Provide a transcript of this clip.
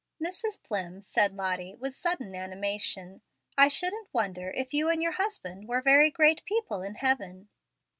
"Mrs. Dlimm," said Lottie, with sudden animation, "I shouldn't wonder if you and your husband were very great people in heaven."